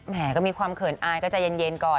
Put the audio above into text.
ก็มีความเขินอายก็ใจเย็นก่อน